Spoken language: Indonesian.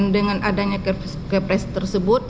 dengan adanya kepres tersebut